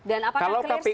dan apa yang bisa dilakukan